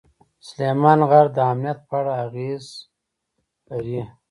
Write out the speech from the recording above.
سلیمان غر د امنیت په اړه اغېز لري.